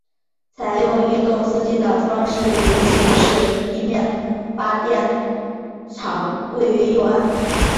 采用一洞四机的方式引水式地面发电厂房位于右岸。